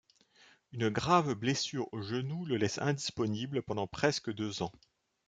Une grave blessure au genou le laisse indisponible pendant presque deux ans.